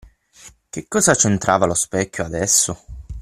Che cosa c'entrava lo specchio, adesso?